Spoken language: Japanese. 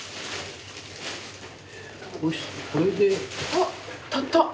あっ立った！